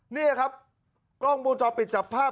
นี่ครับกล้องมูลจอปิดจับภาพ